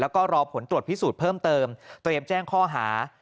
แล้วก็รอผลตรวจพิสูจน์เพิ่มเติมเตรียมแจ้งข้อหา